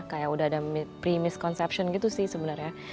kayak udah ada pre misconception gitu sih sebenarnya